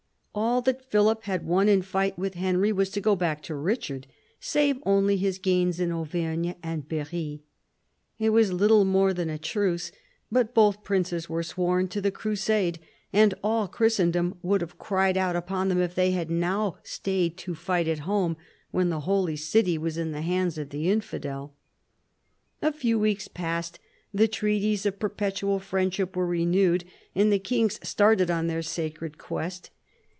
All that Philip had won in fight from Henry was to go back to Richard, save only his gains in Auvergne and Berry. It was little more than a truce, but both princes were sworn to the crusade, and all Christendom would have cried out upon them if they had now stayed to fight at home when the holy city was in the hands of the infidel. A few weeks passed, the treaties of perpetual friend ship were renewed, and the kings started on their sacred quest.